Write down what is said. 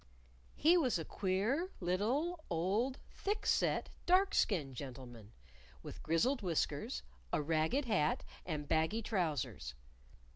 He was a queer little old thick set, dark skinned gentleman, with grizzled whiskers, a ragged hat and baggy trousers.